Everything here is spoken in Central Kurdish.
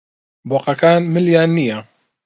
بۆقەکان ملیان نییە.